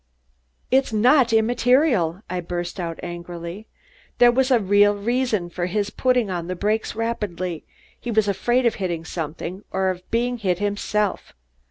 "It's not immaterial!" I burst out angrily. "There was a real reason for his putting his brakes on rapidly. He was afraid of hitting something, or being hit himself.